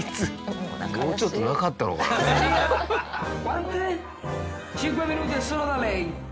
もうちょっとなかったのかな。